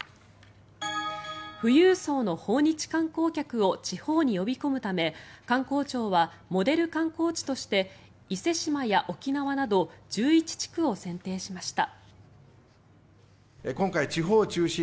富裕層の訪日観光客を地方に呼び込むため観光庁はモデル観光地として伊勢志摩や沖縄など１１地区を選定しました。